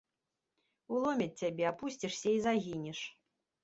Уломяць цябе, апусцішся і загінеш.